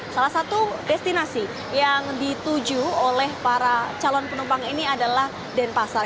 salah satu destinasi yang dituju oleh para calon penumpang ini adalah denpasar